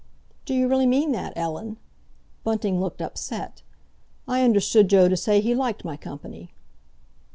"D'you really mean that, Ellen?" Bunting looked upset. "I understood Joe to say he liked my company."